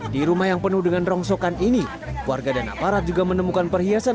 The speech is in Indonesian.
di rumah yang penuh dengan rongsokan ini warga dan aparat juga menemukan perhiasan